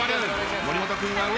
森本君が上。